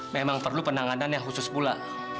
memang perlu penanganan yang khusus pula